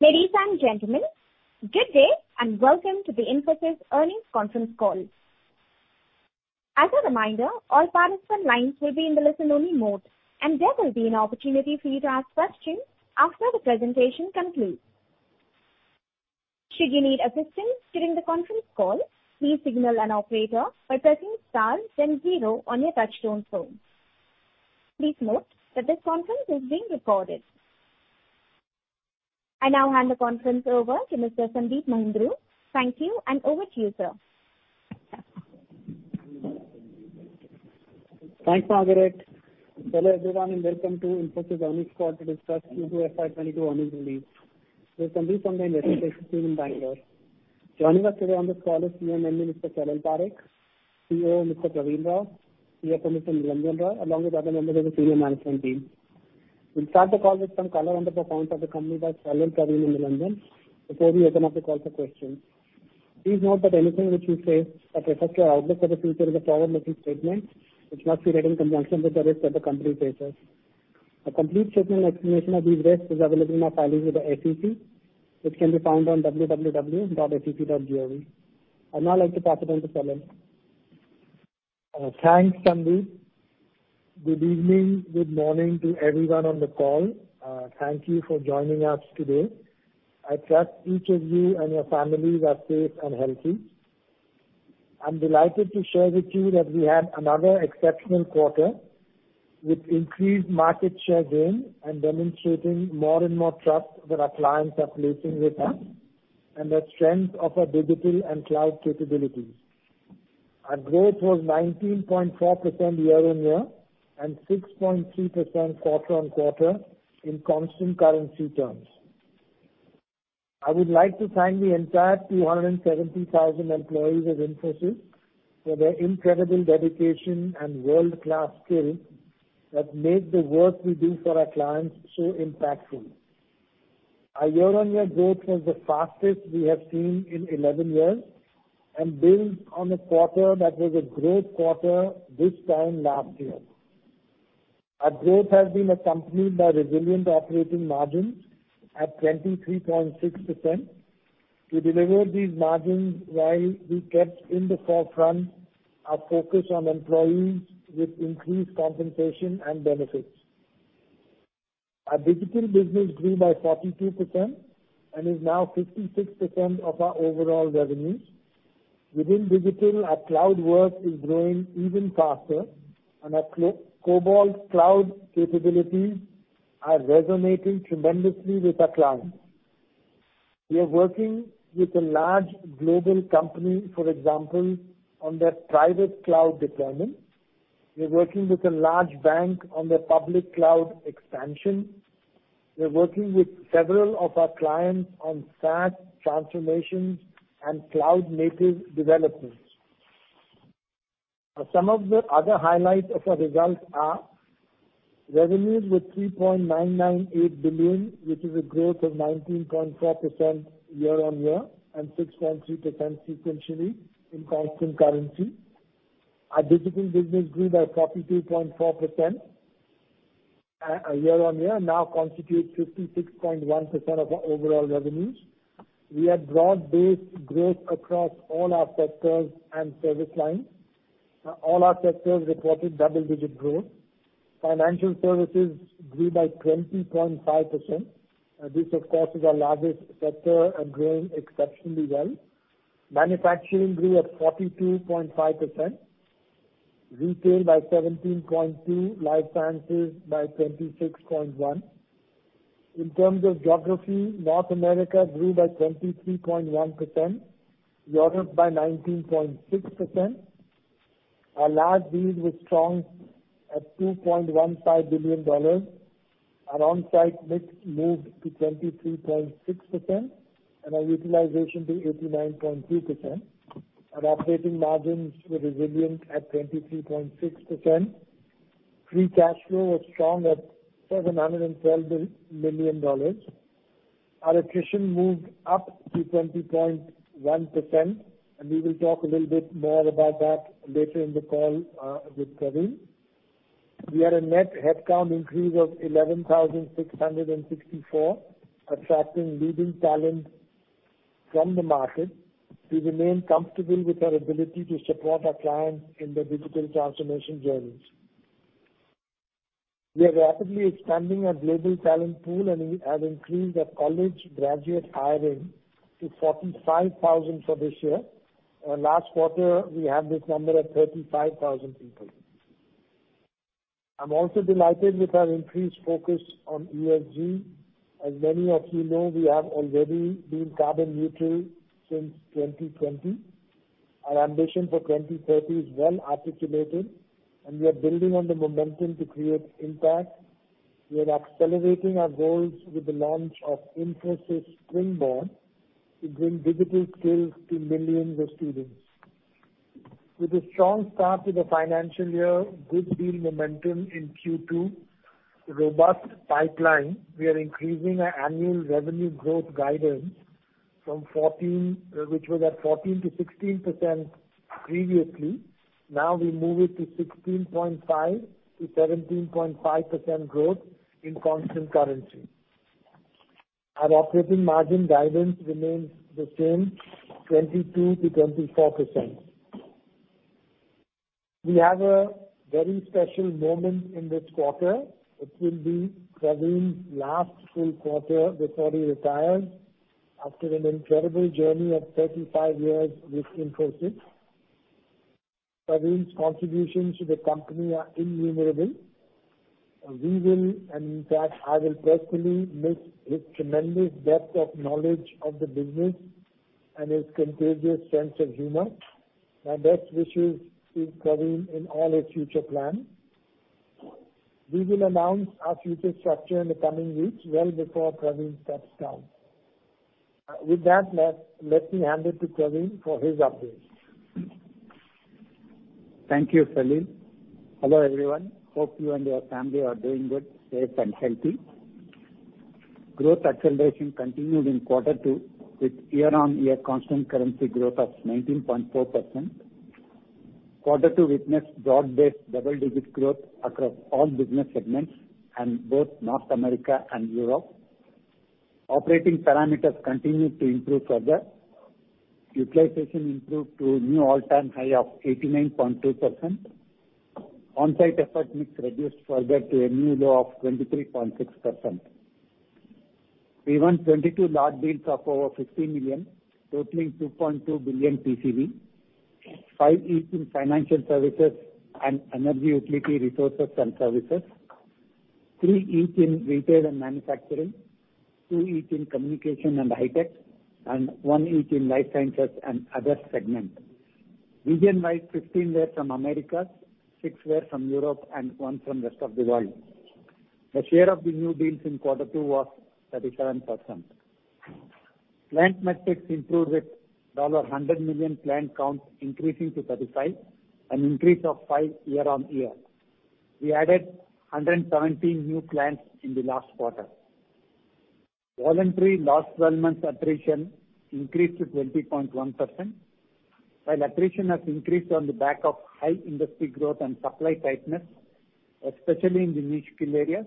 Ladies and gentlemen, good day and welcome to the Infosys earnings conference call. As a reminder, all participant lines will be in the listen-only mode, and there will be an opportunity for you to ask questions after the presentation concludes. Should you need assistance during the conference call, please signal an operator by pressing star then zero on your touchtone phone. Please note that this conference is being recorded. I now hand the conference over to Mr. Sandeep Mahindroo. Thank you, and over to you, sir. Thanks, Margaret. Hello, everyone, and welcome to Infosys Earnings Call to discuss Q2 FY 2022 earnings release. This is Sandeep Mahindroo, investor relations team in Bangalore. Joining us today on this call is CEO, Mr. Salil Parekh, COO, Mr. Pravin Rao, CFO, Mr. Nilanjan Roy, along with other members of the senior management team. We'll start the call with some color on the performance of the company by Salil, Pravin, and Nilanjan before we open up the call for questions. Please note that anything which we say that reflects our outlook for the future is a forward-looking statement which must be read in conjunction with the risks that the company faces. A complete statement explanation of these risks is available in our filings with the SEC, which can be found on www.sec.gov. I'd now like to pass it on to Salil. Thanks, Sandeep. Good evening, good morning to everyone on the call. Thank you for joining us today. I trust each of you and your families are safe and healthy. I'm delighted to share with you that we had another exceptional quarter with increased market share gain and demonstrating more and more trust that our clients are placing with us and the strength of our digital and cloud capabilities. Our growth was 19.4% year-on-year and 6.3% quarter-on-quarter in constant currency terms. I would like to thank the entire 270,000 employees of Infosys for their incredible dedication and world-class skill that make the work we do for our clients so impactful. Our year-on-year growth was the fastest we have seen in 11 years and builds on a quarter that was a great quarter this time last year. Our growth has been accompanied by resilient operating margins at 23.6%. We delivered these margins while we kept in the forefront our focus on employees with increased compensation and benefits. Our Digital business grew by 42% and is now 56% of our overall revenues. Within Digital, our cloud work is growing even faster, and our Infosys Cobalt cloud capabilities are resonating tremendously with our clients. We are working with a large global company, for example, on their private cloud deployment. We are working with a large bank on their public cloud expansion. We are working with several of our clients on SaaS transformations and cloud-native developments. Some of the other highlights of our results are revenues were $3.998 billion, which is a growth of 19.4% year-on-year and 6.3% sequentially in constant currency. Our Digital business grew by 42.4% year-on-year, now constitutes 56.1% of our overall revenues. We had broad-based growth across all our sectors and service lines. All our sectors reported double-digit growth. Financial services grew by 20.5%. This, of course, is our largest sector and growing exceptionally well. Manufacturing grew at 42.5%, retail by 17.2%, life sciences by 26.1%. In terms of geography, North America grew by 23.1%, Europe by 19.6%. Our large deals were strong at $2.15 billion. Our onsite mix moved to 23.6%, and our utilization to 89.2%. Our operating margins were resilient at 23.6%. Free cash flow was strong at $712 million. Our attrition moved up to 20.1%, and we will talk a little bit more about that later in the call with Pravin. We had a net headcount increase of 11,664, attracting leading talent from the market. We remain comfortable with our ability to support our clients in their digital transformation journeys. We are rapidly expanding our global talent pool, and we have increased our college graduate hiring to 45,000 for this year. Last quarter, we had this number at 35,000 people. I'm also delighted with our increased focus on ESG. As many of you know, we have already been carbon neutral since 2020. Our ambition for 2030 is well articulated, and we are building on the momentum to create impact. We are accelerating our goals with the launch of Infosys Springboard to bring digital skills to millions of students. With a strong start to the financial year, good deal momentum in Q2, robust pipeline, we are increasing our annual revenue growth guidance from 14% to 16% previously. Now we move it to 16.5% to 17.5% growth in constant currency. Our operating margin guidance remains the same, 22%-24%. We have a very special moment in this quarter. It will be Pravin's last full quarter before he retires after an incredible journey of 35 years with Infosys. Pravin's contributions to the company are innumerable. We will, and in fact, I will personally miss his tremendous depth of knowledge of the business and his contagious sense of humor. My best wishes to Pravin in all his future plans. We will announce our future structure in the coming weeks, well before Pravin steps down. With that, let me hand it to Pravin for his updates. Thank you, Salil. Hello, everyone. Hope you and your family are doing good, safe, and healthy. Growth acceleration continued in quarter two with year-on-year constant currency growth of 19.4%. Quarter two witnessed broad-based double-digit growth across all business segments in both North America and Europe. Operating parameters continued to improve further. Utilization improved to a new all-time high of 89.2%. On-site effort mix reduced further to a new low of 23.6%. We won 22 large deals of over 50 million, totaling $2.2 billion TCV, five each in financial services and energy utility resources and services, three each in retail and manufacturing, two each in communication and high tech, and one each in life sciences and other segments. Region-wide, 15 were from Americas, six were from Europe, and one from the rest of the world. The share of the new deals in quarter two was 37%. Client metrics improved with $100 million client count increasing to 35, an increase of five year-over-year. We added 117 new clients in the last quarter. Voluntary last 12 months attrition increased to 20.1%. While attrition has increased on the back of high industry growth and supply tightness, especially in the niche skill areas,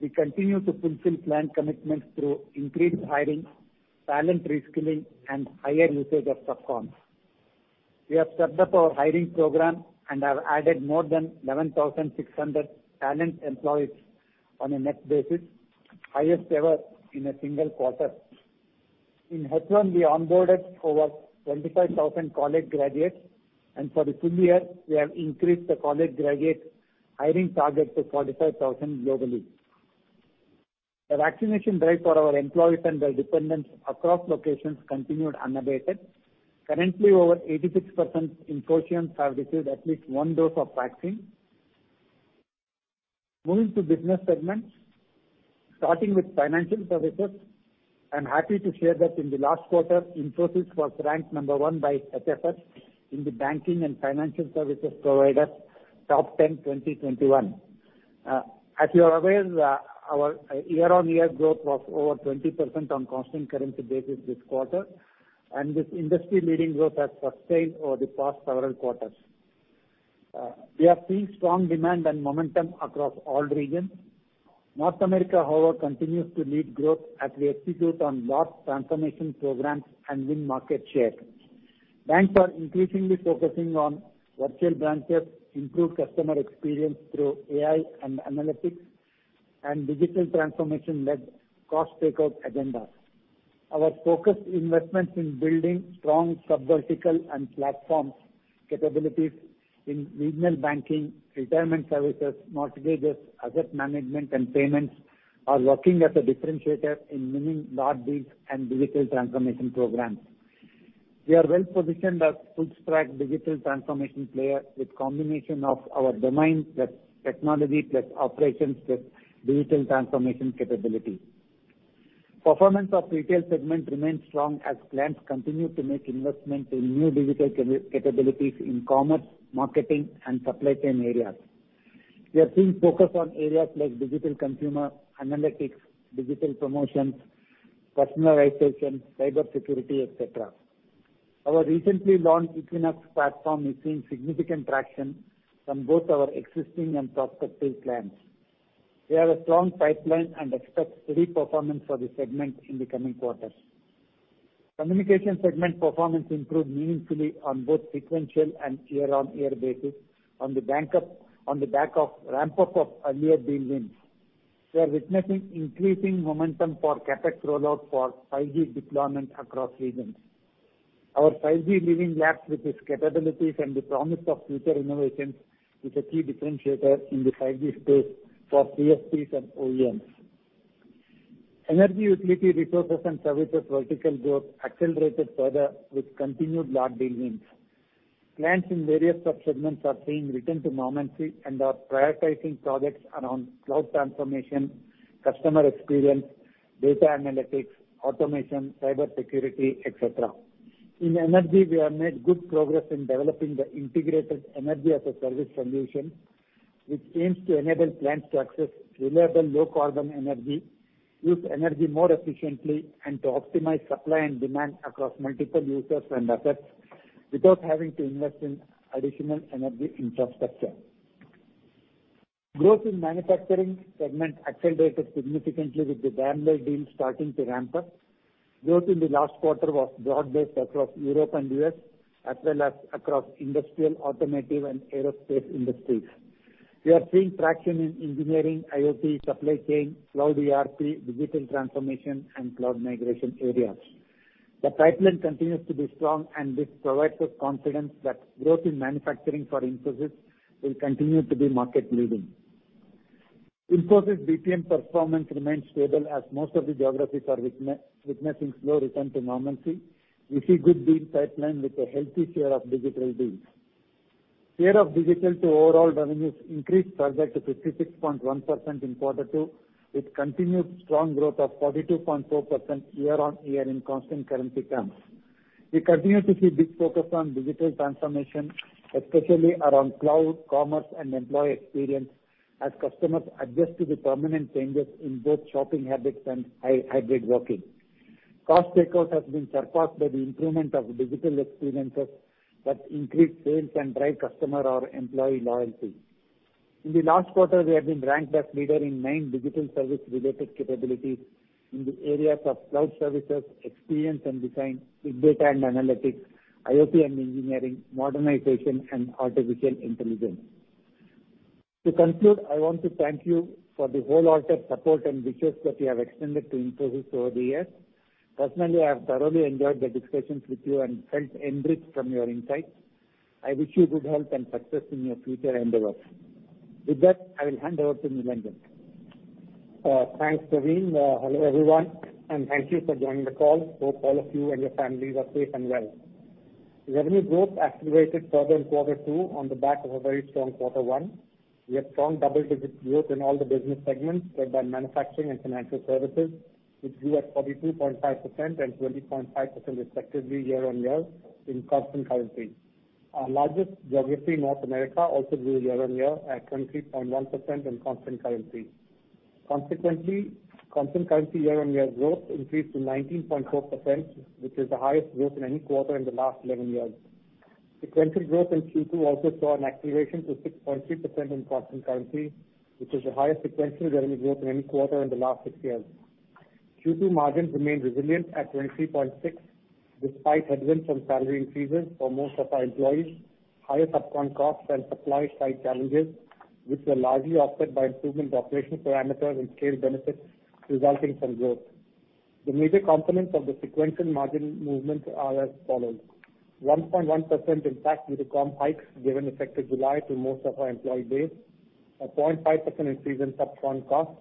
we continue to fulfill client commitments through increased hiring, talent reskilling, and higher usage of sub-con. We have stepped up our hiring program and have added more than 11,600 talent employees on a net basis, highest ever in a single quarter. In H1, we onboarded over 25,000 college graduates, and for the full-year, we have increased the college graduate hiring target to 45,000 globally. The vaccination drive for our employees and their dependents across locations continued unabated. Currently, over 86% of Infosians have received at least one dose of vaccine. Moving to business segments. Starting with financial services, I'm happy to share that in the last quarter, Infosys was ranked number one by HFS in the banking and financial services provider Top 10 2021. As you're aware, our year-on-year growth was over 20% on constant currency basis this quarter. This industry-leading growth has sustained over the past several quarters. We are seeing strong demand and momentum across all regions. North America, however, continues to lead growth as we execute on large transformation programs and win market share. Banks are increasingly focusing on virtual branches, improved customer experience through AI and analytics, and digital transformation-led cost takeout agendas. Our focused investments in building strong subvertical and platform capabilities in retail banking, retirement services, mortgages, asset management, and payments are working as a differentiator in winning large deals and digital transformation programs. We are well-positioned as a full-stack digital transformation player with a combination of our domain plus technology plus operations plus digital transformation capabilities. Performance of retail segment remains strong as clients continue to make investments in new digital capabilities in commerce, marketing, and supply chain areas. We are seeing focus on areas like digital consumer analytics, digital promotions, personalization, cybersecurity, et cetera. Our recently launched Infosys Equinox platform is seeing significant traction from both our existing and prospective clients. We have a strong pipeline and expect steady performance for the segment in the coming quarters. Communication segment performance improved meaningfully on both sequential and year-on-year basis on the back of ramp-up of earlier deal wins. We are witnessing increasing momentum for CapEx rollout for 5G deployment across regions. Our 5G Living Lab with its capabilities and the promise of future innovations is a key differentiator in the 5G space for CSPs and OEMs. Energy, utility, resources, and services vertical growth accelerated further with continued large deal wins. Clients in various subsegments are seeing return to normalcy and are prioritizing projects around cloud transformation, customer experience, data analytics, automation, cyber security, et cetera. In energy, we have made good progress in developing the integrated energy-as-a-service solution, which aims to enable clients to access reliable low carbon energy, use energy more efficiently, and to optimize supply and demand across multiple users and assets without having to invest in additional energy infrastructure. Growth in manufacturing segment accelerated significantly with the VMware deal starting to ramp up. Growth in the last quarter was broad-based across Europe and U.S., as well as across industrial, automotive, and aerospace industries. We are seeing traction in engineering, IoT, supply chain, cloud ERP, digital transformation and cloud migration areas. The pipeline continues to be strong and this provides us confidence that growth in manufacturing for Infosys will continue to be market leading. Infosys BPM performance remains stable as most of the geographies are witnessing slow return to normalcy. We see good deal pipeline with a healthy share of digital deals. Share of digital to overall revenues increased further to 56.1% in Q2, with continued strong growth of 42.4% year-on-year in constant currency terms. We continue to see big focus on digital transformation, especially around cloud, commerce, and employee experience as customers adjust to the permanent changes in both shopping habits and hybrid working. Cost takeout has been surpassed by the improvement of digital experiences that increase sales and drive customer or employee loyalty. In the last quarter, we have been ranked as leader in nine digital service related capabilities in the areas of cloud services, experience and design, big data and analytics, IoT and engineering, modernization and artificial intelligence. To conclude, I want to thank you for the wholehearted support and wishes that you have extended to Infosys over the years. Personally, I have thoroughly enjoyed the discussions with you and felt enriched from your insights. I wish you good health and success in your future endeavors. With that, I will hand over to Nilanjan. Thanks, Pravin. Hello, everyone, and thank you for joining the call. Hope all of you and your families are safe and well. Revenue growth accelerated further in Q2 on the back of a very strong Q1. We have strong double-digit growth in all the business segments, led by manufacturing and financial services, which grew at 42.5% and 20.5% respectively year-on-year in constant currency. Our largest geography, North America, also grew year-on-year at 23.1% in constant currency. Consequently, constant currency year-on-year growth increased to 19.4%, which is the highest growth in any quarter in the last 11 years. Sequential growth in Q2 also saw an acceleration to 6.3% in constant currency, which is the highest sequential revenue growth in any quarter in the last six years. Q2 margins remained resilient at 23.6% despite headwinds from salary increases for most of our employees, higher sub-con costs and supply side challenges, which were largely offset by improvement in operational parameters and scale benefits resulting from growth. The major components of the sequential margin movement are as follows. 1.1% impact due to comp hikes given effective July to most of our employee base. A 0.5% increase in sub-con costs.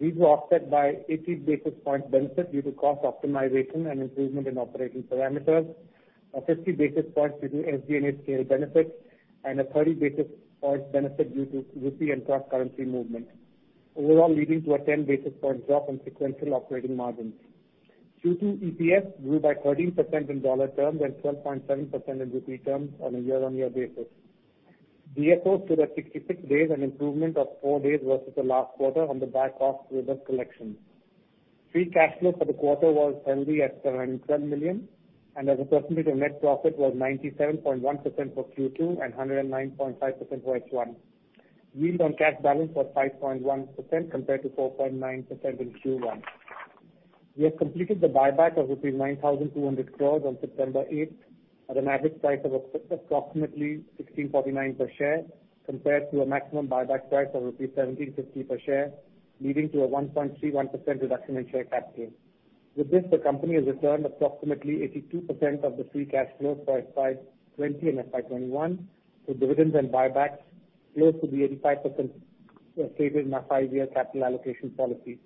These were offset by 80 basis point benefit due to cost optimization and improvement in operating parameters. A 50 basis point due to SG&A scale benefits and a 30 basis point benefit due to rupee and cross currency movement. Overall leading to a 10 basis point drop in sequential operating margins. Q2 EPS grew by 13% in dollar terms and 12.7% in rupee terms on a year-on-year basis. DSO stood at 66 days, an improvement of four days versus the last quarter on the back of robust collections. Free cash flow for the quarter was healthy at 712 million, and as a percentage of net profit was 97.1% for Q2 and 109.5% for Q1. Yield on cash balance was 5.1% compared to 4.9% in Q1. We have completed the buyback of rupees 9,200 crores on September 8 at an average price of approximately 1,649 per share, compared to a maximum buyback price of rupees 1,750 per share, leading to a 1.31% reduction in share capital. With this, the company has returned approximately 82% of the free cash flow for FY 2020 and FY 2021, with dividends and buyback close to the 85% stated in our five-year capital allocation policy.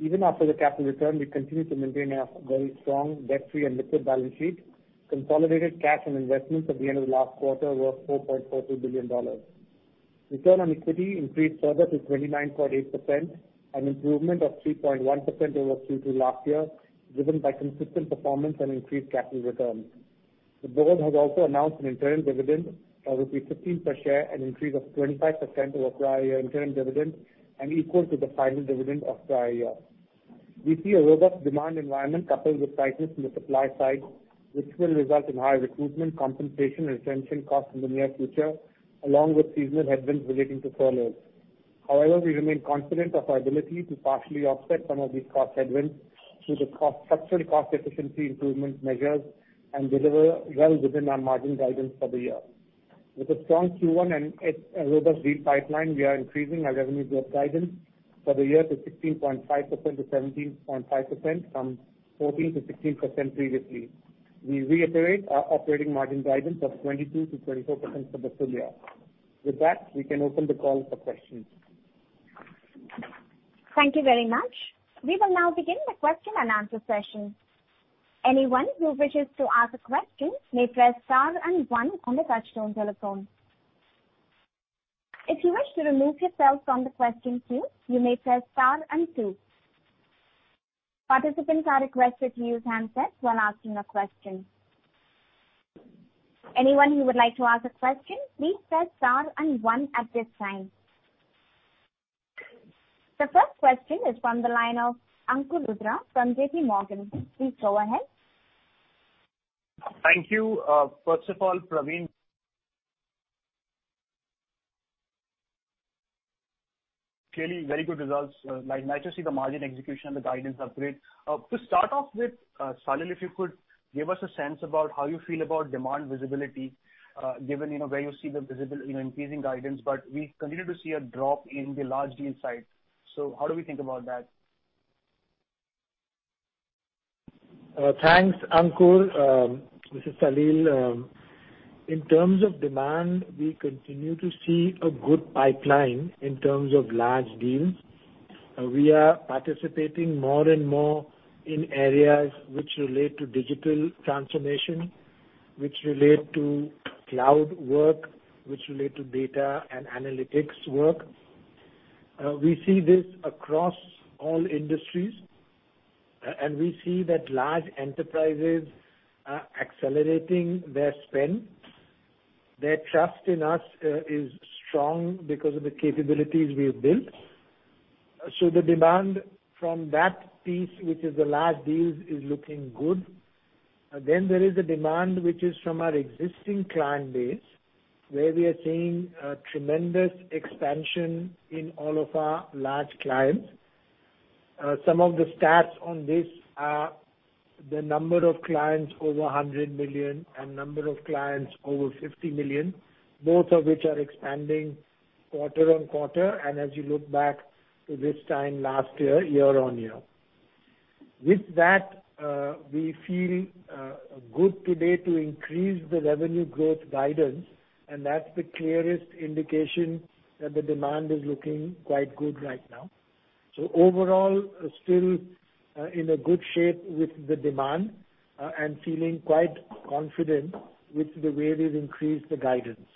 Even after the capital return, we continue to maintain a very strong, debt-free and liquid balance sheet. Consolidated cash and investments at the end of the last quarter were $4.42 billion. Return on equity increased further to 29.8%, an improvement of 3.1% over Q2 last year, driven by consistent performance and increased capital returns. The board has also announced an interim dividend of 15 per share, an increase of 25% over prior year interim dividend and equal to the final dividend of the prior year. We see a robust demand environment coupled with tightness in the supply side, which will result in higher recruitment, compensation, and retention costs in the near future, along with seasonal headwinds relating to furloughs. However, we remain confident of our ability to partially offset some of these cost headwinds through the structural cost efficiency improvement measures and deliver well within our margin guidance for the year. With a strong Q1 and a robust lead pipeline, we are increasing our revenue growth guidance for the year to 16.5%-17.5% from 14%-16% previously. We reiterate our operating margin guidance of 22%-24% for the full-year. With that, we can open the call for questions. Thank you very much. We will now begin the question and answer session. Anyone who wishes to ask a question may press star and one on the touchtone telephone. If you wish to remove yourself from the question queue, you may press star and two. Participants are requested to use handsets when asking a question. Anyone who would like to ask a question, please press star and one at this time. The first question is from the line of Ankur Rudra from JPMorgan. Please go ahead. Thank you. First of all, Pravin. Clearly very good results. Nice to see the margin execution and the guidance upgrade. To start off with, Salil, if you could give us a sense about how you feel about demand visibility, given where you see the visible increasing guidance, but we continue to see a drop in the large deal side. How do we think about that? Thanks, Ankur. This is Salil. In terms of demand, we continue to see a good pipeline in terms of large deals. We are participating more and more in areas which relate to digital transformation, which relate to cloud work, which relate to data and analytics work. We see this across all industries, and we see that large enterprises are accelerating their spend. Their trust in us is strong because of the capabilities we have built. The demand from that piece, which is the large deals, is looking good. There is a demand which is from our existing client base, where we are seeing a tremendous expansion in all of our large clients. Some of the stats on this are the number of clients over 100 million and number of clients over 50 million, both of which are expanding quarter-on-quarter, and as you look back to this time last year-on-year. With that, we feel good today to increase the revenue growth guidance. That's the clearest indication that the demand is looking quite good right now. Overall, still in a good shape with the demand, and feeling quite confident with the way we've increased the guidance.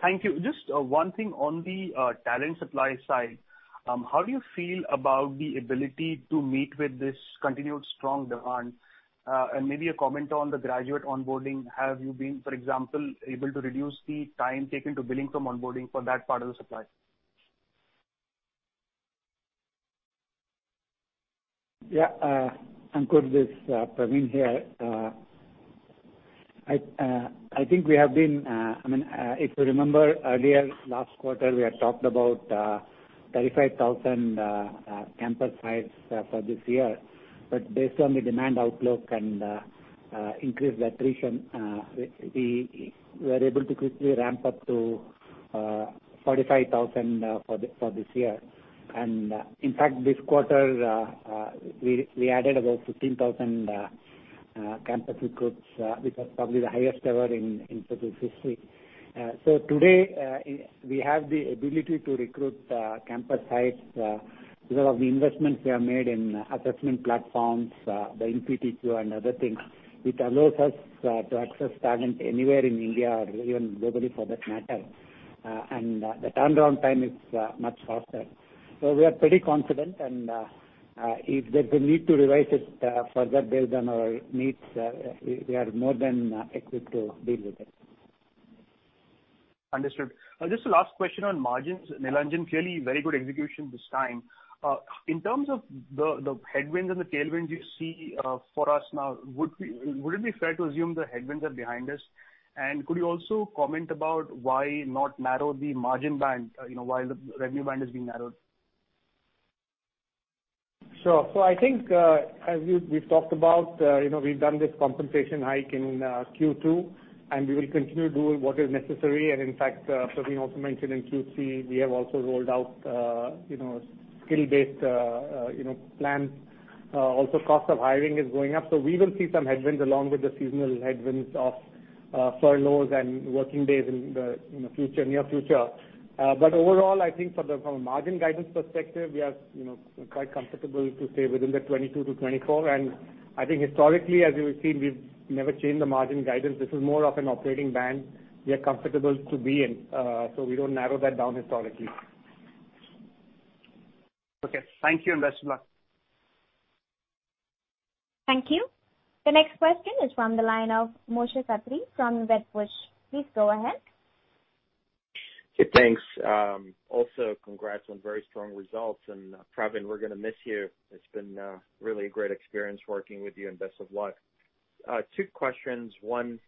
Thank you. Just one thing on the talent supply side. How do you feel about the ability to meet with this continued strong demand? Maybe a comment on the graduate onboarding. Have you been, for example, able to reduce the time taken to billing from onboarding for that part of the supply? Yeah. Ankur, this is Pravin here. If you remember earlier last quarter, we had talked about 35,000 campus hires for this year, based on the demand outlook and increased attrition, we were able to quickly ramp up to 45,000 for this year. In fact, this quarter, we added about 15,000 campus recruits, which was probably the highest ever in Infosys history. Today, we have the ability to recruit campus hires because of the investments we have made in assessment platforms, the InfyTQ and other things, which allows us to access talent anywhere in India or even globally for that matter. The turnaround time is much faster. We are pretty confident, and if there's a need to revise it further based on our needs, we are more than equipped to deal with it. Understood. Just the last question on margins. Nilanjan, clearly very good execution this time. In terms of the headwinds and the tailwinds you see for us now, would it be fair to assume the headwinds are behind us? Could you also comment about why not narrow the margin band, why the revenue band is being narrowed? Sure. I think, as we've talked about, we've done this compensation hike in Q2, and we will continue doing what is necessary. In fact, Pravin also mentioned in Q3, we have also rolled out skill-based plans. Cost of hiring is going up. We will see some headwinds along with the seasonal headwinds of furloughs and working days in the near future. Overall, I think from a margin guidance perspective, we are quite comfortable to stay within the 22%-24%. I think historically, as you have seen, we've never changed the margin guidance. This is more of an operating band we are comfortable to be in, so we don't narrow that down historically. Okay. Thank you, and best of luck. Thank you. The next question is from the line of Moshe Katri from Wedbush. Please go ahead. Hey, thanks. Also congrats on very strong results, Pravin, we're gonna miss you. It's been really a great experience working with you, best of luck. Two questions. One,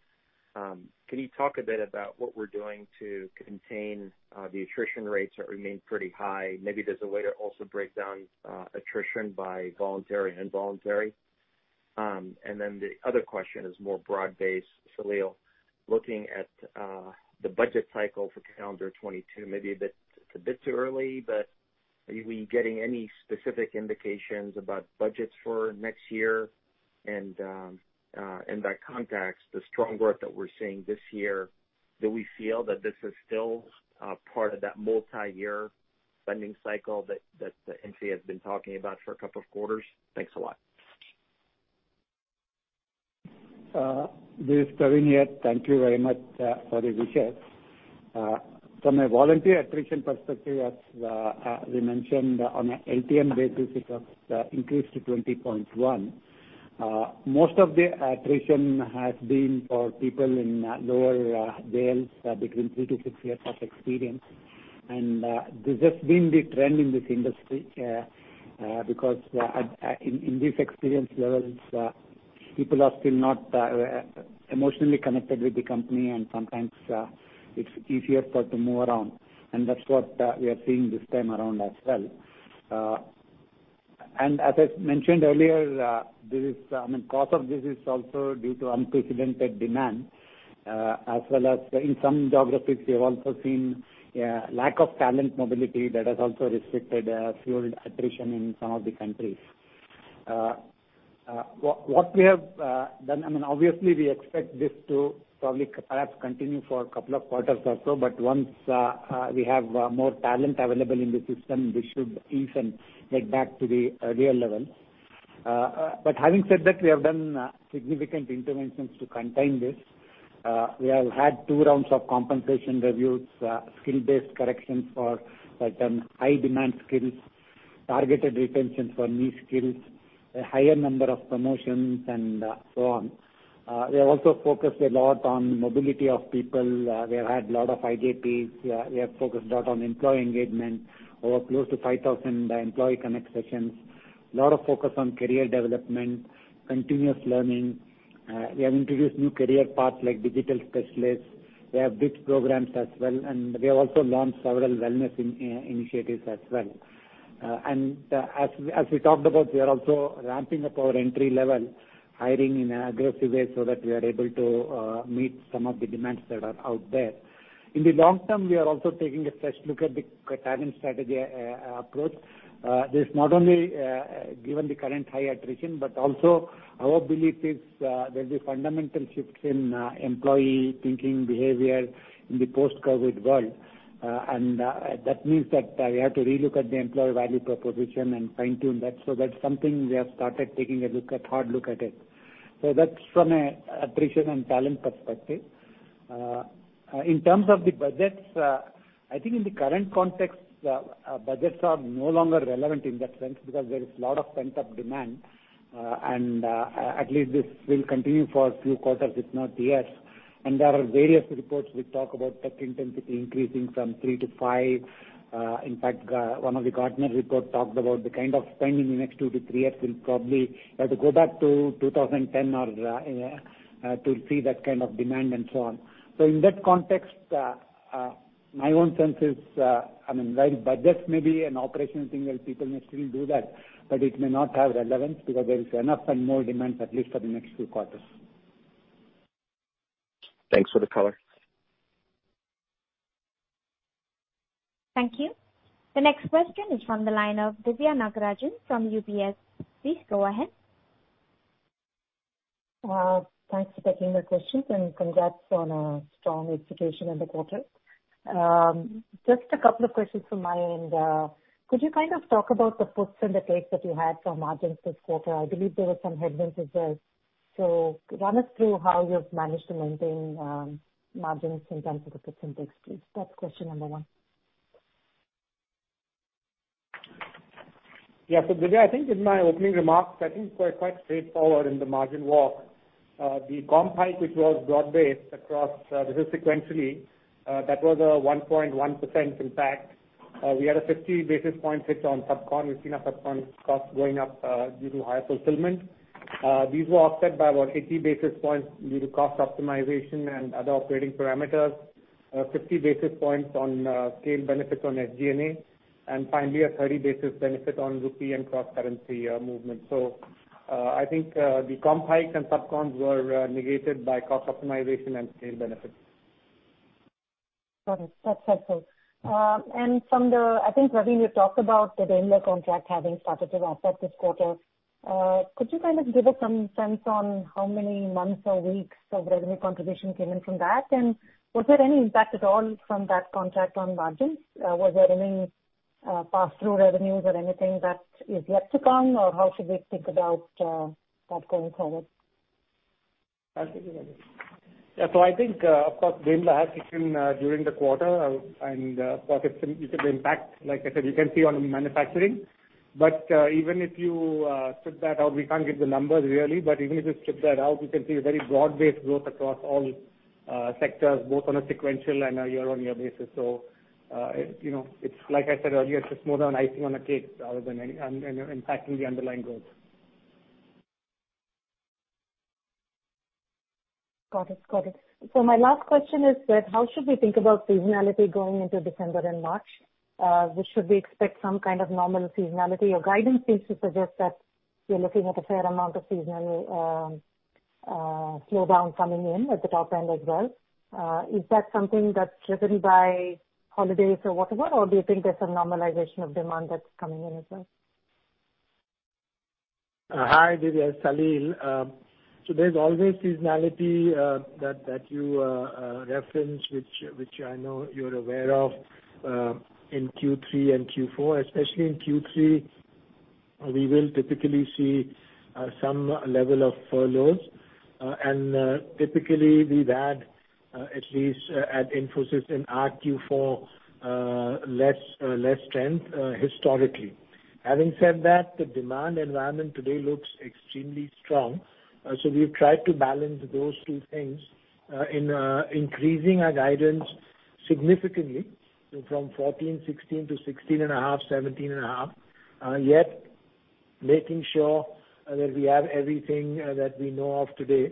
can you talk a bit about what we're doing to contain the attrition rates that remain pretty high? Maybe there's a way to also break down attrition by voluntary and involuntary. The other question is more broad-based. Salil, looking at the budget cycle for calendar 2022, maybe it's a bit too early, but are you getting any specific indications about budgets for next year? In that context, the strong growth that we're seeing this year, do we feel that this is still part of that multi-year spending cycle that Infosys has been talking about for a couple of quarters? Thanks a lot. This is Pravin here. Thank you very much for the wishes. From a volunteer attrition perspective, as we mentioned on an LTM basis, it has increased to 20.1%. Most of the attrition has been for people in lower bands, between three to six years of experience. This has been the trend in this industry because in these experience levels, people are still not emotionally connected with the company, and sometimes it's easier for them to move around. That's what we are seeing this time around as well. As I mentioned earlier, part of this is also due to unprecedented demand as well as in some geographies, we have also seen a lack of talent mobility that has also restricted fueled attrition in some of the countries. What we have done, obviously, we expect this to probably perhaps continue for a couple of quarters or so, but once we have more talent available in the system, this should ease and get back to the earlier level. Having said that, we have done significant interventions to contain this. We have had two rounds of compensation reviews, skill-based corrections for certain high-demand skills, targeted retention for new skills, a higher number of promotions, and so on. We have also focused a lot on mobility of people. We have had a lot of IJPs. We have focused a lot on employee engagement, over close to 5,000 employee connect sessions, a lot of focus on career development, continuous learning. We have introduced new career paths like digital specialists. We have bridge programs as well, and we have also launched several wellness initiatives as well. As we talked about, we are also ramping up our entry-level hiring in an aggressive way so that we are able to meet some of the demands that are out there. In the long-term, we are also taking a fresh look at the talent strategy approach. This is not only given the current high attrition, but also our belief is there'll be fundamental shifts in employee thinking behavior in the post-COVID world. That means that we have to relook at the employee value proposition and fine-tune that. That's something we have started taking a hard look at it. That's from an attrition and talent perspective. In terms of the budgets, I think in the current context, budgets are no longer relevant in that sense because there is a lot of pent-up demand, and at least this will continue for a few quarters, if not years. There are various reports which talk about tech intensity increasing from three to five. In fact, one of the Gartner reports talked about the kind of spending in the next two to three years will probably have to go back to 2010 to see that kind of demand and so on. In that context, my own sense is while budgets may be an operational thing that people may still do that, but it may not have relevance because there is enough and more demand at least for the next few quarters. Thanks for the color. Thank you. The next question is from the line of Diviya Nagarajan from UBS. Please go ahead. Thanks for taking the questions. Congrats on a strong execution in the quarter. Just a couple of questions from my end. Could you kind of talk about the puts and the takes that you had for margins this quarter? I believe there were some headwinds as well. Run us through how you've managed to maintain margins in terms of the puts and takes, please. That's question number one. Yeah. Diviya, I think in my opening remarks, I think we're quite straightforward in the margin walk. The comp hike, which was broad-based across sequentially, that was a 1.1% impact. We had a 50 basis point hit on sub-con. We've seen our sub-con costs going up due to higher fulfillment. These were offset by what, 80 basis points due to cost optimization and other operating parameters, 50 basis points on scale benefits on SG&A, and finally, a 30 basis benefit on rupee and cross-currency movement. I think the comp hikes and sub-cons were negated by cost optimization and scale benefits. Got it. That's helpful. I think, Pravin, you talked about the Daimler contract having started to offset this quarter. Could you kind of give us some sense on how many months or weeks of revenue contribution came in from that? Was there any impact at all from that contract on margins? Was there any pass-through revenues or anything that is yet to come, or how should we think about that going forward? I'll take it. I think, of course, Daimler has kicked in during the quarter, and you could impact, like I said, you can see on manufacturing. Even if you strip that out, we can't give the numbers really, but even if you strip that out, you can see a very broad-based growth across all sectors, both on a sequential and a year-on-year basis. It's like I said earlier, it's just more of an icing on a cake other than impacting the underlying growth. Got it. My last question is that how should we think about seasonality going into December and March? Should we expect some kind of normal seasonality? Your guidance seems to suggest that you're looking at a fair amount of seasonal slowdown coming in at the top end as well. Is that something that's driven by holidays or whatever, or do you think there's a normalization of demand that's coming in as well? Hi, Diviya. Salil. There's always seasonality that you referenced, which I know you're aware of in Q3 and Q4, especially in Q3. We will typically see some level of furloughs. Typically, we've had, at least at Infosys in our Q4, less strength historically. Having said that, the demand environment today looks extremely strong. We've tried to balance those two things in increasing our guidance significantly from 14%, 16% to 16.5%, 17.5%. Yet, making sure that we have everything that we know of today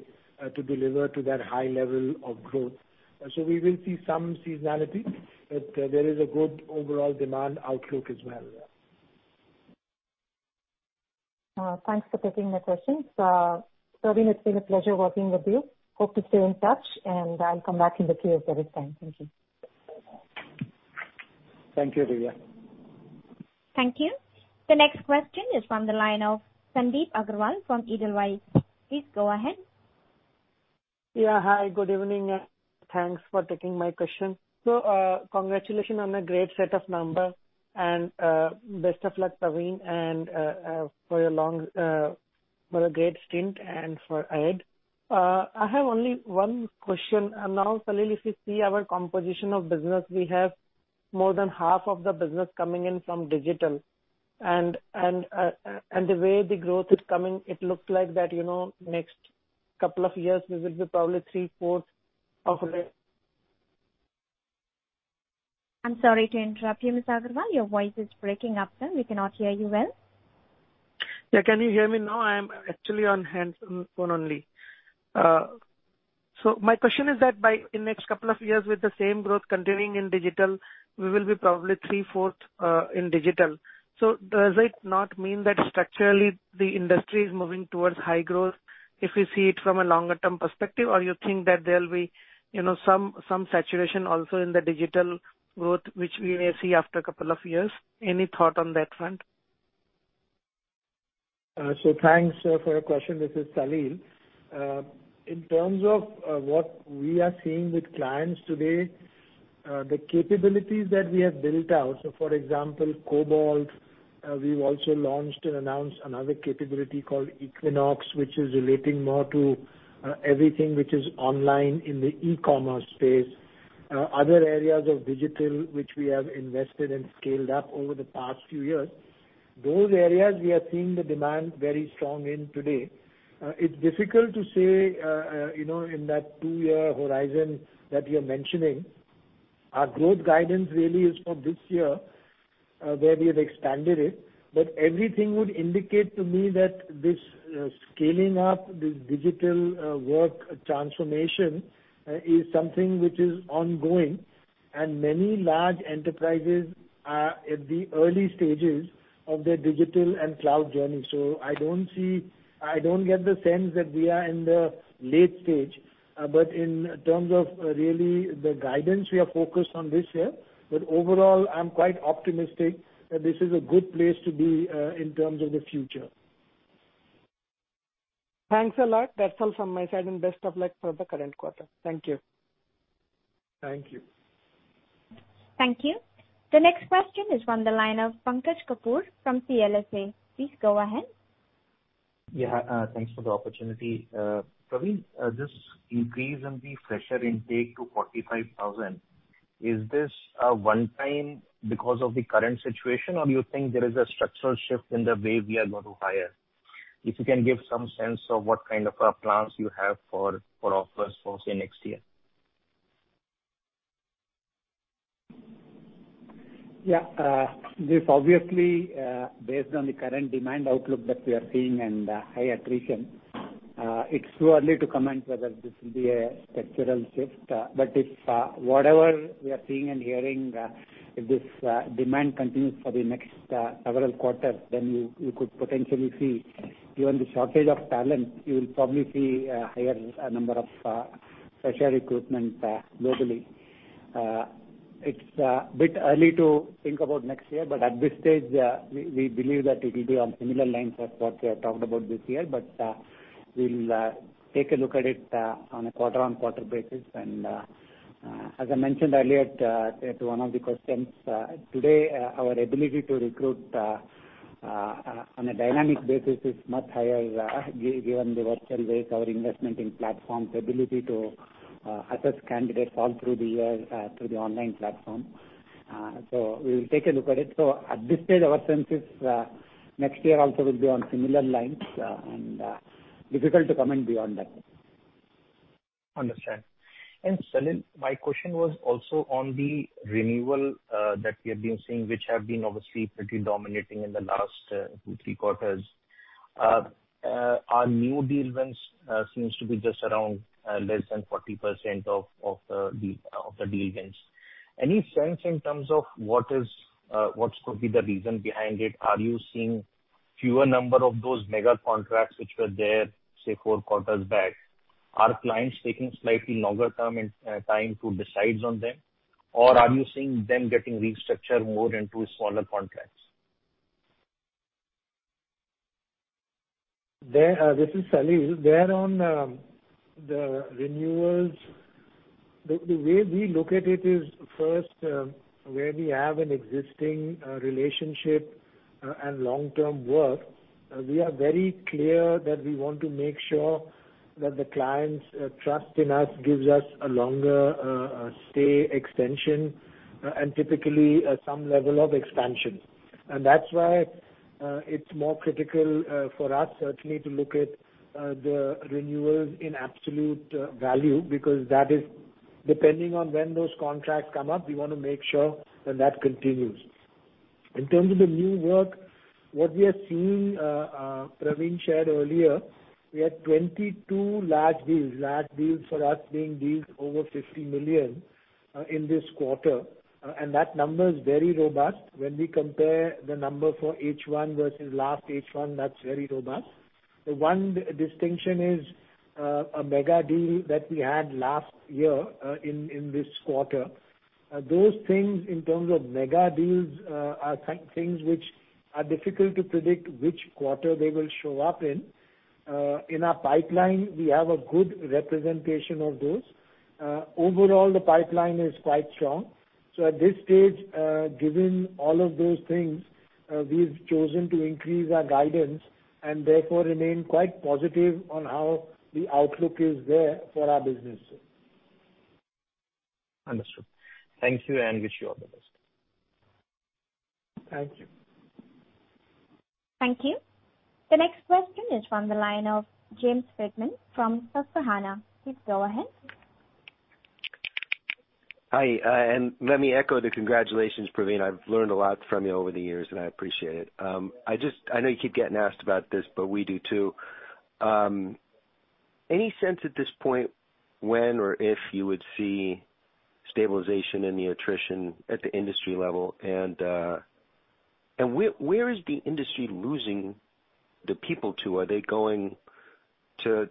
to deliver to that high level of growth. We will see some seasonality, but there is a good overall demand outlook as well. Thanks for taking my questions. Pravin, it's been a pleasure working with you. Hope to stay in touch, and I'll come back in the queue if there is time. Thank you. Thank you, Diviya. Thank you. The next question is from the line of Sandeep Agarwal from Edelweiss. Please go ahead. Yeah. Hi, good evening. Thanks for taking my question. Congratulations on a great set of numbers, and best of luck, Pravin, for a great stint and for ahead. I have only one question. Salil, if you see our composition of business, we have more than half of the business coming in from digital. The way the growth is coming, it looks like that next two years, we will be probably three-fourths of the I'm sorry to interrupt you, Mr. Agarwal. Your voice is breaking up, sir. We cannot hear you well. Yeah, can you hear me now? I am actually on hands-free phone only. My question is that in next two years with the same growth continuing in digital, we will be probably 3/4 in digital. Does it not mean that structurally the industry is moving towards high growth if we see it from a longer-term perspective, or you think that there'll be some saturation also in the digital growth which we may see after two years? Any thought on that front? Thanks for your question. This is Salil. In terms of what we are seeing with clients today, the capabilities that we have built out, so for example, Cobalt. We've also launched and announced another capability called Equinox, which is relating more to everything which is online in the e-commerce space. Other areas of digital which we have invested and scaled up over the past few years, those areas we are seeing the demand very strong in today. It's difficult to say in that two-year horizon that you're mentioning. Our growth guidance really is for this year, where we have expanded it. Everything would indicate to me that this scaling up, this digital work transformation is something which is ongoing, and many large enterprises are at the early stages of their digital and cloud journey. I don't get the sense that we are in the late stage. In terms of really the guidance, we are focused on this year. Overall, I'm quite optimistic that this is a good place to be in terms of the future. Thanks a lot. That's all from my side. Best of luck for the current quarter. Thank you. Thank you. Thank you. The next question is from the line of Pankaj Kapoor from CLSA. Please go ahead. Yeah. Thanks for the opportunity. Pravin, this increase in the fresher intake to 45,000, is this a one-time because of the current situation, or do you think there is a structural shift in the way we are going to hire? If you can give some sense of what kind of plans you have for offers for, say, next year. Yeah. This obviously based on the current demand outlook that we are seeing and high attrition. It's too early to comment whether this will be a structural shift. If whatever we are seeing and hearing, if this demand continues for the next several quarters, then you could potentially see, given the shortage of talent, you'll probably see a higher number of fresher recruitment globally. It's a bit early to think about next year. At this stage, we believe that it'll be on similar lines as what we have talked about this year. We'll take a look at it on a quarter-on-quarter basis. As I mentioned earlier to one of the questions, today our ability to recruit on a dynamic basis is much higher, given the virtual base, our investment in platforms, ability to assess candidates all through the year through the online platform. We will take a look at it. At this stage, our sense is next year also will be on similar lines, and difficult to comment beyond that. Understand. Salil, my question was also on the renewal that we have been seeing, which have been obviously pretty dominating in the last two, three quarters. Our new deal wins seems to be just around less than 40% of the deal wins. Any sense in terms of what could be the reason behind it? Are you seeing fewer number of those mega contracts which were there, say, four quarters back? Are clients taking slightly longer time to decide on them, or are you seeing them getting restructured more into smaller contracts? This is Salil. There on the renewals, the way we look at it is first, where we have an existing relationship and long-term work, we are very clear that we want to make sure that the client's trust in us gives us a longer stay extension and typically some level of expansion. That's why it's more critical for us certainly to look at the renewals in absolute value, because that is depending on when those contracts come up, we want to make sure that that continues. In terms of the new work, what we are seeing, Pravin shared earlier, we had 22 large deals, large deals for us being deals over 50 million, in this quarter. That number is very robust. When we compare the number for H1 versus last H1, that's very robust. The one distinction is a mega deal that we had last year in this quarter. Those things, in terms of mega deals, are things which are difficult to predict which quarter they will show up in. In our pipeline, we have a good representation of those. Overall, the pipeline is quite strong. At this stage, given all of those things, we've chosen to increase our guidance and therefore remain quite positive on how the outlook is there for our business. Understood. Thank you, and wish you all the best. Thank you. Thank you. The next question is from the line of James Friedman from Susquehanna. Please go ahead. Hi, let me echo the congratulations, Pravin. I've learned a lot from you over the years, and I appreciate it. I know you keep getting asked about this, but we do too. Any sense at this point when or if you would see stabilization in the attrition at the industry level? Where is the industry losing the people to? Are they going to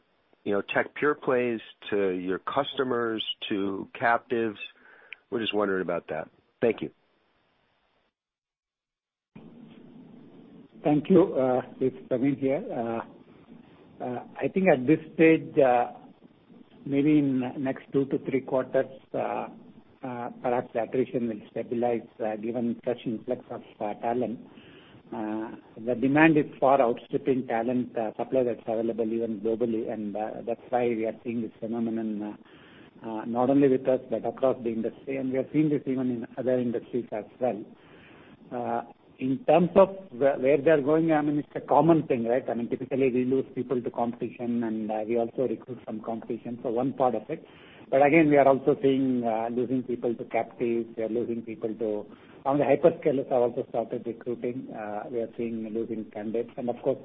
tech pure plays, to your customers, to captives? We're just wondering about that. Thank you. Thank you. It's Pravin here. I think at this stage maybe in the next two to three quarters, perhaps the attrition will stabilize given fresh influx of talent. The demand is far outstripping talent supply that's available even globally and that's why we are seeing this phenomenon, not only with us but across the industry. We are seeing this even in other industries as well. In terms of where they are going, it's a common thing, right? Typically, we lose people to competition, and we also recruit from competition. One part of it. Again, we are also seeing losing people to captives. On the hyperscalers have also started recruiting. We are seeing losing candidates. Of course,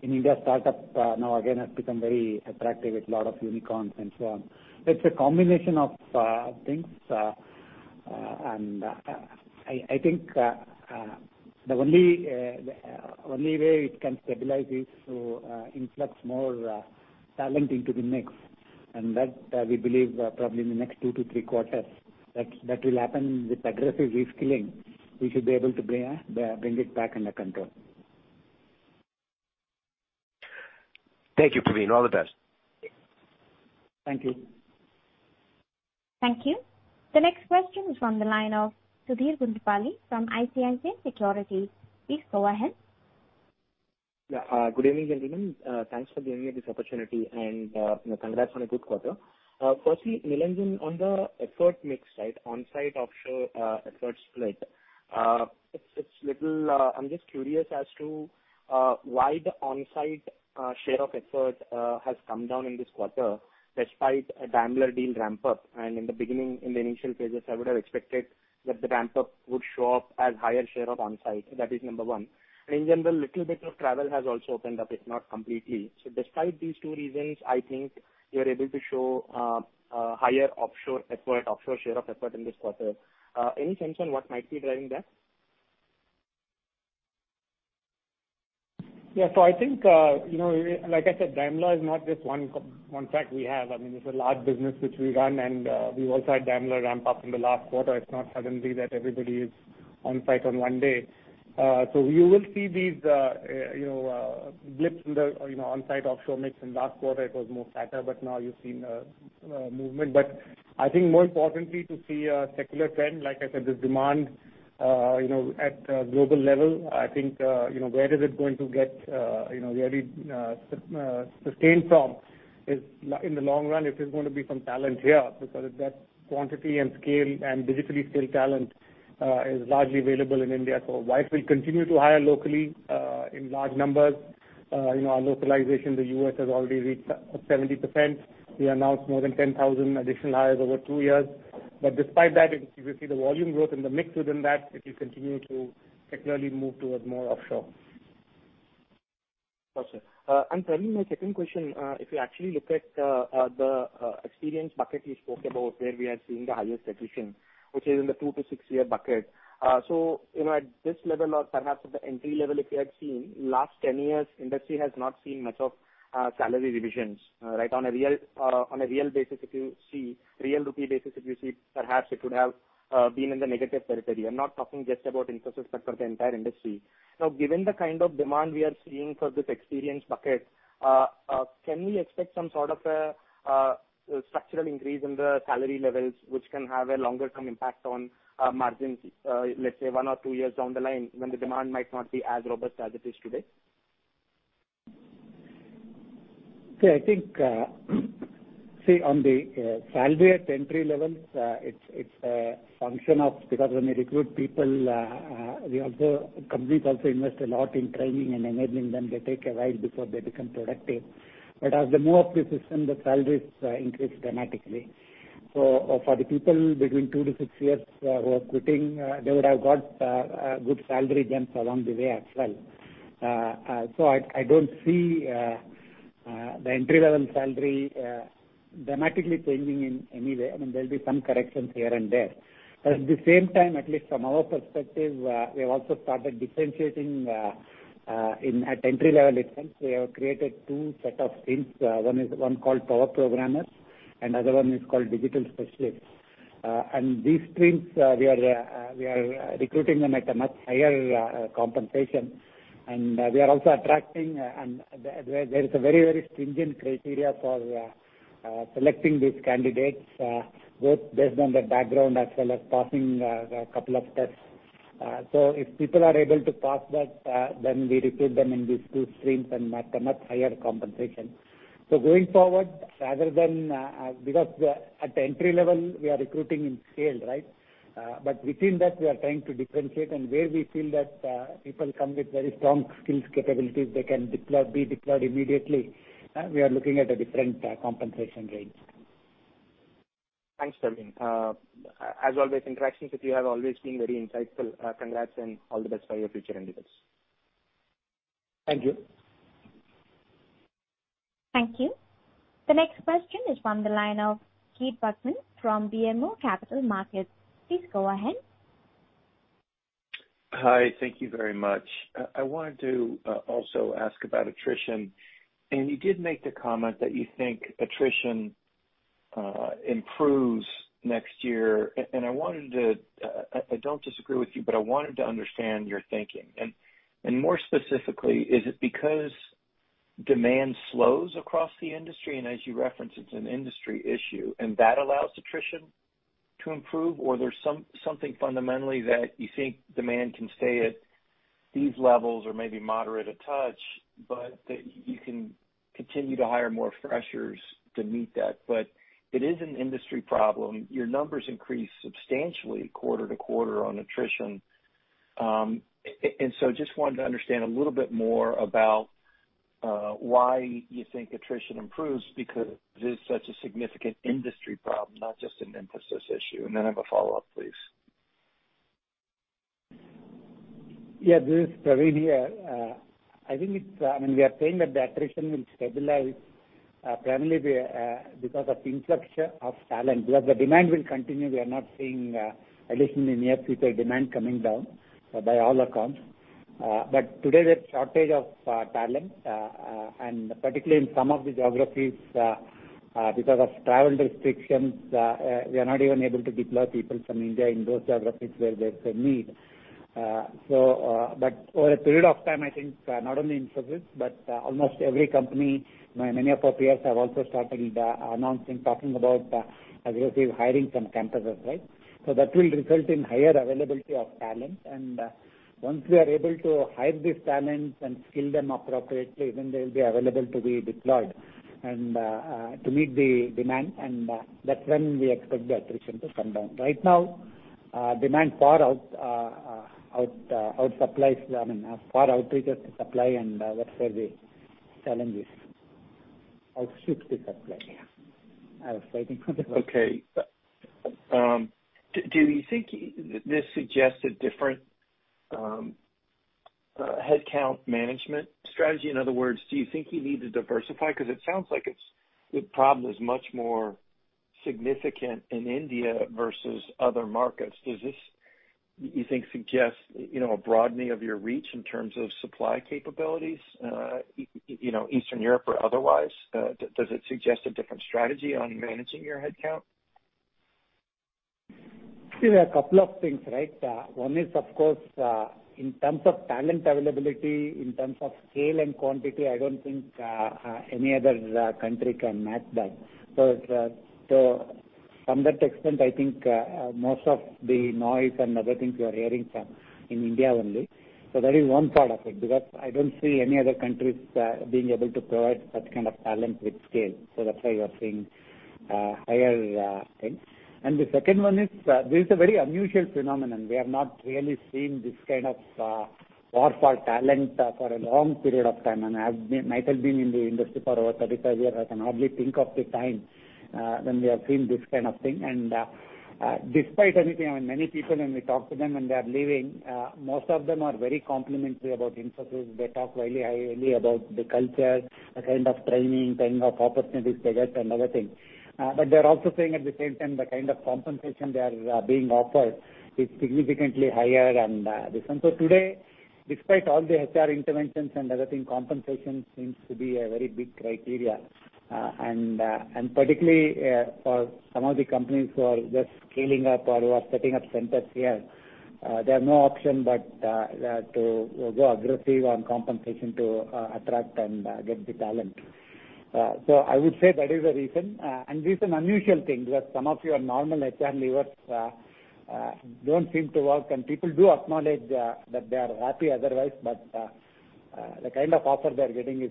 in India, startup now again has become very attractive with lot of unicorns and so on. It's a combination of things. I think the only way it can stabilize is to influx more talent into the mix, and that we believe probably in the next two to three quarters. That will happen with aggressive reskilling. We should be able to bring it back under control. Thank you, Pravin. All the best. Thank you. Thank you. The next question is from the line of Sudheer Guntupalli from ICICI Securities. Please go ahead. Good evening, gentlemen. Thanks for giving me this opportunity, and congrats on a good quarter. Firstly, Nilanjan, on the effort mix, onsite-offshore effort split. I'm just curious as to why the onsite share of effort has come down in this quarter despite a Daimler deal ramp-up. In the beginning, in the initial phases, I would have expected that the ramp-up would show up as higher share of onsite. That is number one. In general, little bit of travel has also opened up, if not completely. Despite these two reasons, I think you're able to show a higher offshore effort, offshore share of effort in this quarter. Any sense on what might be driving that? I think, like I said, Daimler is not just one contract we have. It's a large business which we run, and we also had Daimler ramp up in the last quarter. It's not suddenly that everybody is on site on one day. You will see these blips in the onsite-offshore mix. In last quarter, it was more flatter, but now you're seeing a movement. I think more importantly to see a secular trend, like I said, this demand at global level, I think where is it going to get sustained from is in the long run, it is going to be from talent here. Because of that quantity and scale and digitally skilled talent is largely available in India. Infosys will continue to hire locally in large numbers. Our localization in the U.S. has already reached 70%. We announced more than 10,000 additional hires over two years. Despite that, if you see the volume growth and the mix within that, it will continue to secularly move towards more offshore. Got you. Pravin, my second question. If you actually look at the experience bucket you spoke about, where we are seeing the highest attrition, which is in the two to six-year bucket. At this level or perhaps at the entry level, if you had seen last 10 years, industry has not seen much of salary revisions. On a real rupee basis, if you see, perhaps it could have been in the negative territory. I'm not talking just about Infosys, but for the entire industry. Given the kind of demand we are seeing for this experienced bucket, can we expect some sort of a structural increase in the salary levels, which can have a longer-term impact on margins, let's say, one or two years down the line when the demand might not be as robust as it is today? Okay. I think, see, on the salary at entry levels, it's a function of, because when we recruit people, companies also invest a lot in training and enabling them. They take a while before they become productive. As they move up the system, the salaries increase dramatically. For the people between two to six years who are quitting, they would have got good salary jumps along the way as well. I don't see the entry-level salary dramatically changing in any way. There'll be some corrections here and there. At the same time, at least from our perspective, we have also started differentiating at entry level itself. We have created two set of streams. One called power programmers, and other one is called digital specialists. These streams, we are recruiting them at a much higher compensation. We are also attracting, and there is a very stringent criteria for selecting these candidates, both based on their background as well as passing a couple of tests. If people are able to pass that, then we recruit them in these two streams and at a much higher compensation. Going forward, because at the entry level, we are recruiting in scale. Within that, we are trying to differentiate and where we feel that people come with very strong skills capabilities, they can be deployed immediately, we are looking at a different compensation range. Thanks, Pravin. As always, interactions with you have always been very insightful. Congrats and all the best for your future endeavors. Thank you. Thank you. The next question is from the line of Keith Bachman from BMO Capital Market. Please go ahead. Hi. Thank you very much. I wanted to also ask about attrition. You did make the comment that you think attrition improves next year. I don't disagree with you, but I wanted to understand your thinking. More specifically, is it because demand slows across the industry, and as you referenced, it's an industry issue, and that allows attrition to improve? There's something fundamentally that you think demand can stay at these levels or maybe moderate a touch, but that you can continue to hire more freshers to meet that. It is an industry problem. Your numbers increase substantially quarter-to-quarter on attrition. Just wanted to understand a little bit more about why you think attrition improves, because this is such a significant industry problem, not just an Infosys issue. I have a follow-up, please. Yeah, this is Pravin here. We are saying that the attrition will stabilize primarily because of influx of talent, because the demand will continue. We are not seeing, at least in the near future, demand coming down by all accounts. Today, there's shortage of talent, and particularly in some of the geographies, because of travel restrictions, we are not even able to deploy people from India in those geographies where there is a need. Over a period of time, I think not only Infosys, but almost every company, many of our peers have also started announcing, talking about as you say, hiring from campuses. That will result in higher availability of talent. Once we are able to hire these talents and skill them appropriately, then they'll be available to be deployed and to meet the demand. That's when we expect the attrition to come down. Right now, demand far outreach supply and that's where the challenge is. Outstrips the supply. Okay. Do you think this suggests a different headcount management strategy? In other words, do you think you need to diversify? It sounds like the problem is much more significant in India versus other markets. Does this, you think, suggest a broadening of your reach in terms of supply capabilities, Eastern Europe or otherwise? Does it suggest a different strategy on managing your headcount? There are a couple of things. One is, of course, in terms of talent availability, in terms of scale and quantity, I don't think any other country can match that. From that extent, I think most of the noise and other things you are hearing from in India only. That is one part of it, because I don't see any other countries being able to provide such kind of talent with scale. That's why you're seeing higher things. The second one is, this is a very unusual phenomenon. We have not really seen this kind of war for talent for a long period of time. I have myself been in the industry for over 35 years. I can hardly think of the time when we have seen this kind of thing. Despite anything, many people, when we talk to them when they are leaving, most of them are very complimentary about Infosys. They talk very highly about the culture, the kind of training, kind of opportunities they get and other things. They're also saying at the same time, the kind of compensation they are being offered is significantly higher and different. Today, despite all the HR interventions and other things, compensation seems to be a very big criteria, and particularly for some of the companies who are just scaling up or who are setting up centers here, they have no option but to go aggressive on compensation to attract and get the talent. I would say that is the reason, and these are unusual things where some of your normal HR levers don't seem to work, and people do acknowledge that they are happy otherwise, but the kind of offer they're getting is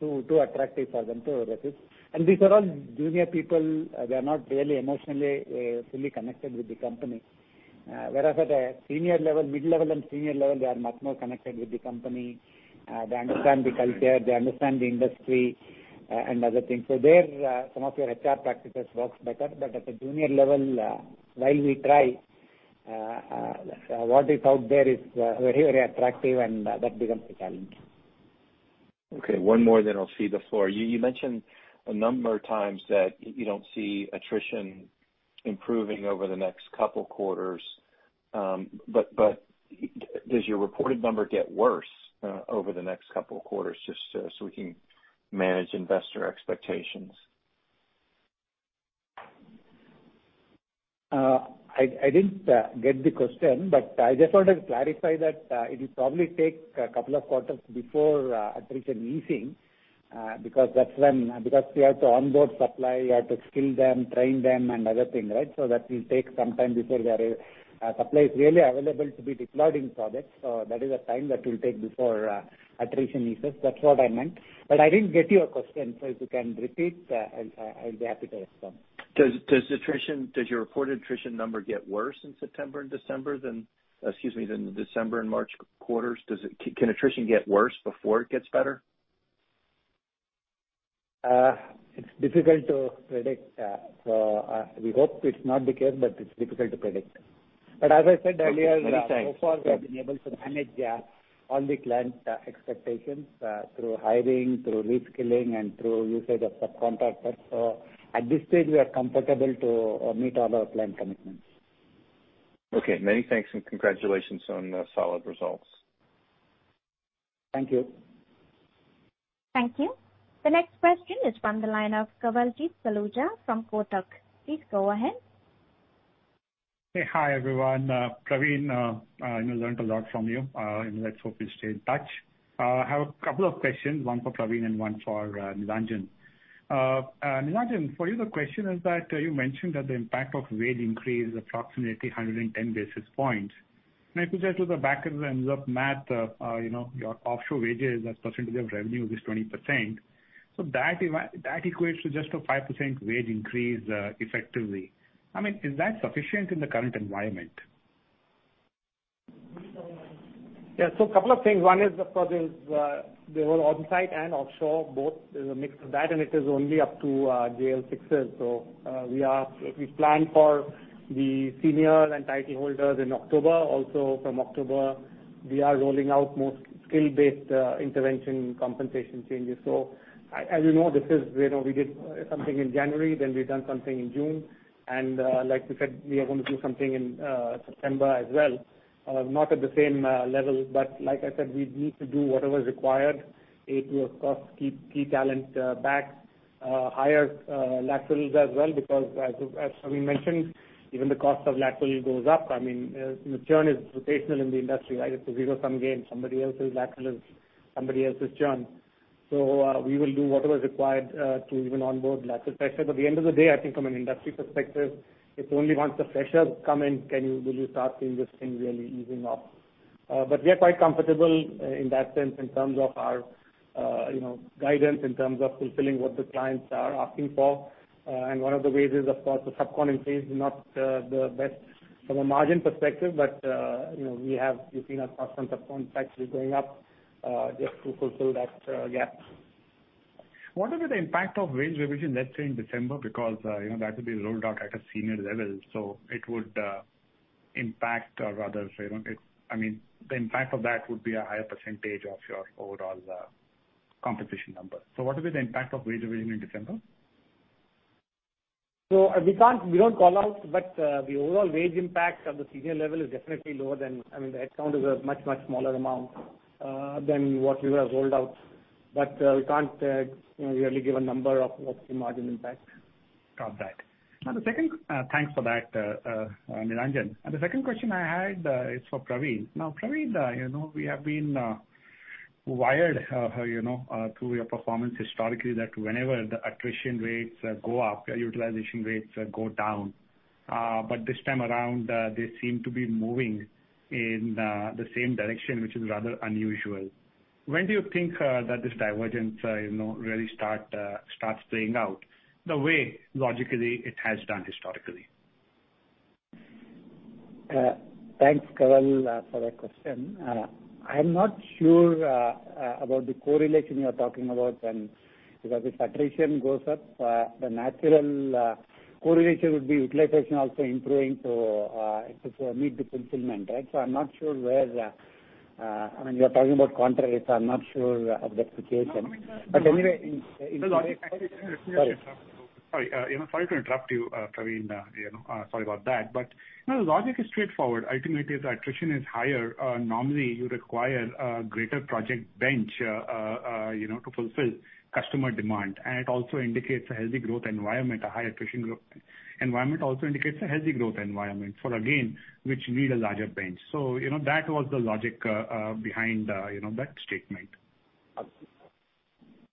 too attractive for them to refuse. These are all junior people. They're not really emotionally, fully connected with the company. Whereas at a senior level, mid-level and senior level, they are much more connected with the company. They understand the culture, they understand the industry and other things. There, some of your HR practices works better. At the junior level, while we try, what is out there is very, very attractive, and that becomes a challenge. Okay, one more then I'll cede the floor. You mentioned a number of times that you don't see attrition improving over the next couple quarters. Does your reported number get worse over the next couple of quarters just so we can manage investor expectations? I didn't get the question. I just wanted to clarify that it will probably take a couple of quarters before attrition easing, because we have to onboard supply, we have to skill them, train them and other thing, right? That will take some time before supply is really available to be deployed in projects. That is the time that will take before attrition eases. That's what I meant. I didn't get your question. If you can repeat, I'll be happy to respond. Does your reported attrition number get worse in September and December than the December and March quarters? Can attrition get worse before it gets better? It's difficult to predict. We hope it's not the case, but it's difficult to predict. As I said earlier. Many thanks. So far, we have been able to manage all the client expectations, through hiring, through reskilling, and through usage of subcontractors. At this stage, we are comfortable to meet all our client commitments. Okay, many thanks and congratulations on the solid results. Thank you. Thank you. The next question is from the line of Kawaljeet Saluja from Kotak. Please go ahead. Hey. Hi, everyone. Pravin, I learned a lot from you, and let's hope we stay in touch. I have a couple of questions, one for Pravin and one for Nilanjan. Nilanjan, for you, the question is that you mentioned that the impact of wage increase is approximately 110 basis points. If you just do the back of the envelope math, your offshore wages as percentage of revenue is 20%. That equates to just a 5% wage increase, effectively. Is that sufficient in the current environment? A couple of things. One is, of course, there's the whole onsite and offshore both. There's a mix of that. It is only up to JL6s. We plan for the senior and title holders in October. Also from October, we are rolling out more skill-based intervention compensation changes. As you know, we did something in January. We've done something in June. Like we said, we are going to do something in September as well. Not at the same level, like I said, we need to do whatever is required. It will, of course, keep key talent back, hire laterals as well, because as Pravin mentioned, even the cost of lateral goes up. I mean, churn is rotational in the industry, right? It's a zero-sum game. Somebody else's lateral is somebody else's churn. We will do whatever is required, to even onboard lateral freshers. At the end of the day, I think from an industry perspective, it's only once the freshers come in will you start seeing this thing really easing off. We are quite comfortable in that sense in terms of our guidance, in terms of fulfilling what the clients are asking for. One of the ways is, of course, the sub-con increase is not the best from a margin perspective. We have, you've seen our sub-con actually going up, just to fulfill that gap. What will be the impact of wage revision, let's say, in December? That will be rolled out at a senior level, so it would impact or rather say, the impact of that would be a higher percentage of your overall compensation number. What will be the impact of wage revision in December? We don't call out, but the overall wage impact at the senior level is definitely lower than I mean, the head count is a much, much smaller amount than what we would have rolled out. We can't really give a number of the margin impact. Cop that. Thanks for that, Nilanjan. The second question I had is for Pravin. Now, Pravin, we have been wired through your performance historically that whenever the attrition rates go up, your utilization rates go down. This time around, they seem to be moving in the same direction, which is rather unusual. When do you think that this divergence really starts playing out the way, logically, it has done historically? Thanks, Kawal, for that question. I'm not sure about the correlation you're talking about. Because if attrition goes up, the natural correlation would be utilization also improving to meet the fulfillment, right? I'm not sure where the I mean, you're talking about contrary, so I'm not sure of the application. No, logically. Sorry to interrupt you, Pravin. Sorry about that. The logic is straightforward. Ultimately, the attrition is higher. Normally, you require a greater project bench to fulfill customer demand, and it also indicates a healthy growth environment. A high attrition environment also indicates a healthy growth environment for, again, which need a larger bench. That was the logic behind that statement.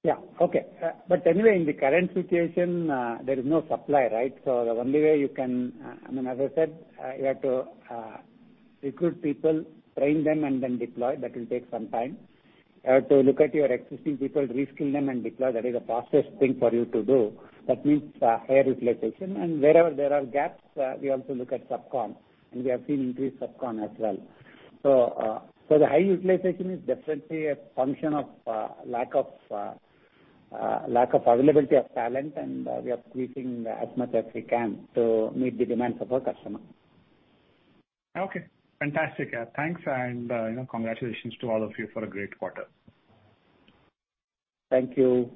Yeah. Okay. Anyway, in the current situation, there is no supply, right? The only way you can As I said, you have to recruit people, train them, and then deploy. That will take some time. You have to look at your existing people, reskill them and deploy. That is the fastest thing for you to do. That means higher utilization. Wherever there are gaps, we also look at sub-con and we have seen increased sub-con as well. The high utilization is definitely a function of lack of availability of talent, and we are squeezing as much as we can to meet the demands of our customer. Okay, fantastic. Thanks. Congratulations to all of you for a great quarter. Thank you.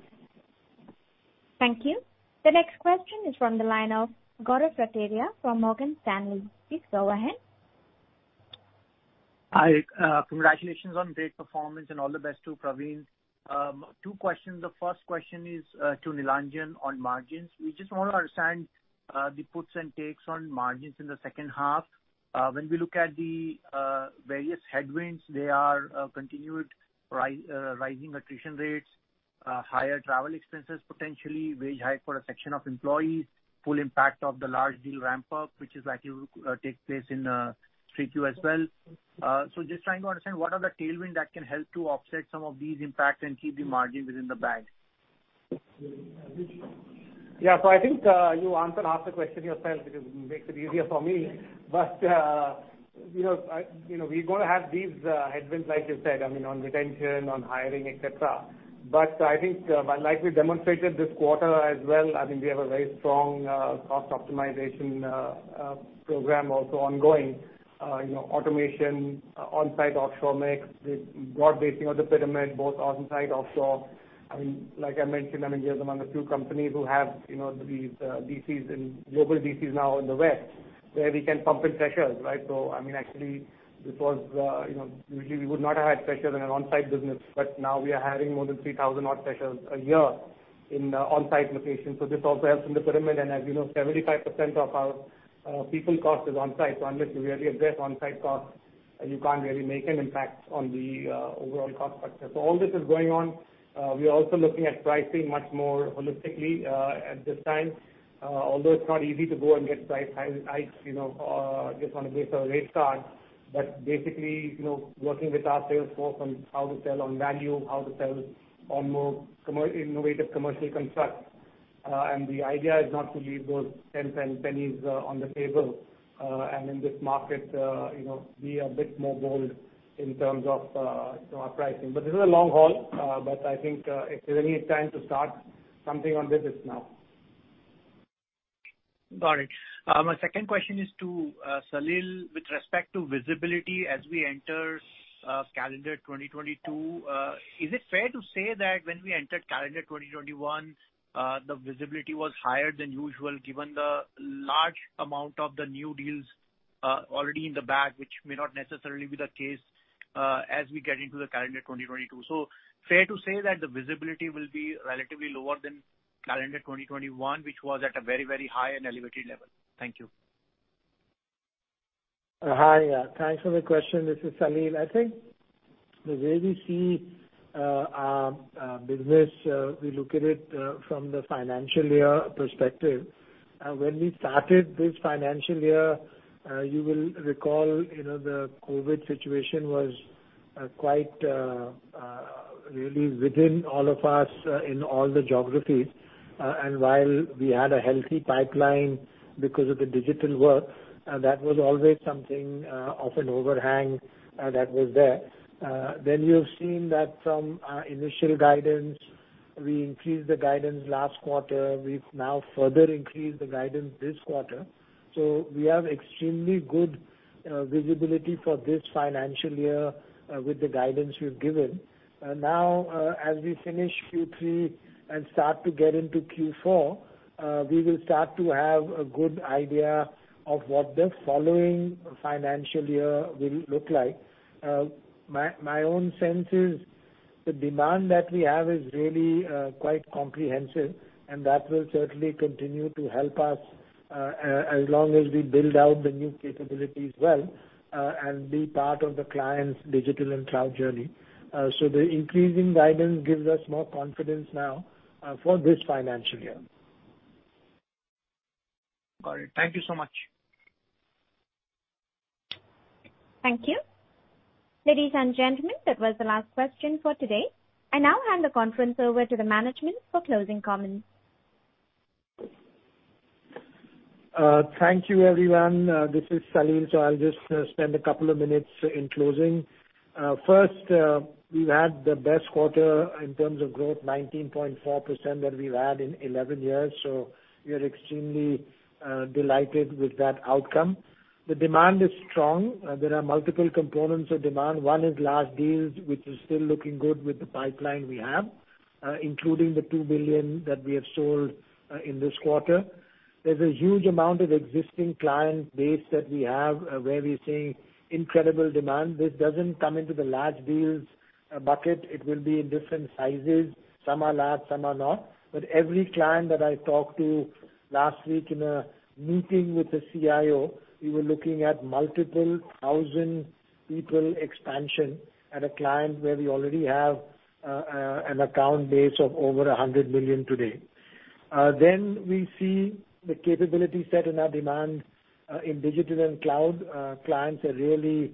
Thank you. The next question is from the line of Gaurav Rateria from Morgan Stanley. Please go ahead. Hi. Congratulations on great performance and all the best to Pravin. Two questions. The first question is to Nilanjan on margins. We just want to understand the puts and takes on margins in the second half. When we look at the various headwinds, they are continued rising attrition rates, higher travel expenses potentially, wage hike for a section of employees, full impact of the large deal ramp-up, which is likely to take place in 3Q as well. Just trying to understand what are the tailwind that can help to offset some of these impacts and keep the margins within the band. Yeah. I think you answered half the question yourself, which makes it easier for me. We're going to have these headwinds, like you said, on retention, on hiring, et cetera. I think, like we demonstrated this quarter as well, we have a very strong cost optimization program also ongoing. Automation, on-site offshore mix, the broad basing of the pyramid, both on-site, offshore. Like I mentioned, we are among the few companies who have these global DCs now in the West where we can pump in freshers, right? Actually, usually we would not have had freshers in an on-site business, but now we are hiring more than 3,000 odd freshers a year in on-site location. This also helps in the pyramid and as you know, 75% of our people cost is on-site. Unless you really address on-site costs, you can't really make an impact on the overall cost structure. All this is going on. We are also looking at pricing much more holistically at this time. Although it's not easy to go and get price hikes just on the basis of rate card, but basically, working with our sales force on how to sell on value, how to sell on more innovative commercial constructs. The idea is not to leave those cents and pennies on the table, and in this market be a bit more bold in terms of our pricing. This is a long haul, but I think if there's any time to start something on business, now. Got it. My second question is to Salil. With respect to visibility as we enter calendar 2022, is it fair to say that when we entered calendar 2021, the visibility was higher than usual given the large amount of the new deals already in the bag, which may not necessarily be the case as we get into the calendar 2022? Fair to say that the visibility will be relatively lower than calendar 2021, which was at a very high and elevated level? Thank you. Hi. Thanks for the question. This is Salil. I think the way we see our business, we look at it from the financial year perspective. When we started this financial year, you will recall the COVID situation was quite really within all of us in all the geographies. While we had a healthy pipeline because of the digital work, that was always something of an overhang that was there. You've seen that from our initial guidance, we increased the guidance last quarter. We've now further increased the guidance this quarter. We have extremely good visibility for this financial year with the guidance we've given. Now, as we finish Q3 and start to get into Q4, we will start to have a good idea of what the following financial year will look like. My own sense is the demand that we have is really quite comprehensive, and that will certainly continue to help us, as long as we build out the new capability as well, and be part of the client's digital and cloud journey. The increasing guidance gives us more confidence now for this financial year. Got it. Thank you so much. Thank you. Ladies and gentlemen, that was the last question for today. I now hand the conference over to the management for closing comments. Thank you, everyone. This is Salil. I'll just spend a couple of minutes in closing. First, we've had the best quarter in terms of growth, 19.4%, that we've had in 11 years. We are extremely delighted with that outcome. The demand is strong. There are multiple components of demand. One is large deals, which is still looking good with the pipeline we have, including the $2 billion that we have sold in this quarter. There's a huge amount of existing client base that we have where we are seeing incredible demand. This doesn't come into the large deals bucket. It will be in different sizes. Some are large, some are not. Every client that I talked to last week in a meeting with the CIO, we were looking at multiple 1,000 people expansion at a client where we already have an account base of over $100 million today. We see the capability set in our demand in digital and cloud. Clients are really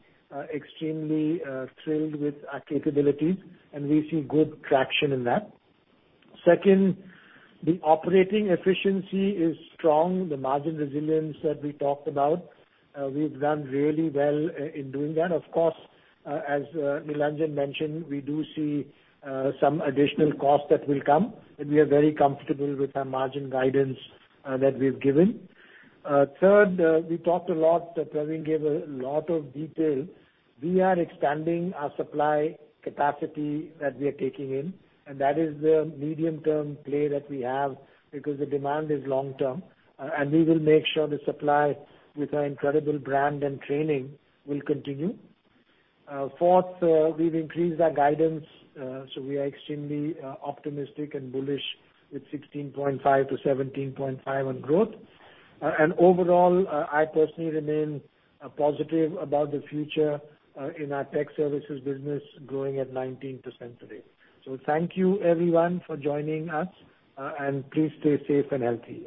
extremely thrilled with our capabilities, and we see good traction in that. Second, the operating efficiency is strong. The margin resilience that we talked about, we've done really well in doing that. Of course, as Nilanjan mentioned, we do see some additional cost that will come, and we are very comfortable with our margin guidance that we've given. Third, we talked a lot. Pravin gave a lot of detail. We are expanding our supply capacity that we are taking in, and that is the medium-term play that we have because the demand is long-term. We will make sure the supply with our incredible brand and training will continue. Fourth, we've increased our guidance. We are extremely optimistic and bullish with 16.5%-17.5% on growth. Overall, I personally remain positive about the future in our tech services business growing at 19% today. Thank you, everyone, for joining us. Please stay safe and healthy.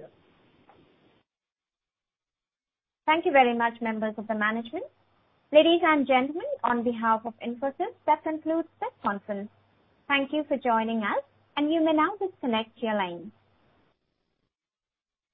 Thank you very much, members of the management. Ladies and gentlemen, on behalf of Infosys, that concludes this conference. Thank you for joining us, and you may now disconnect your lines.